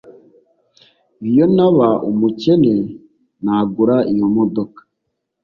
Iyo ntaba umukene nagura iyo modoka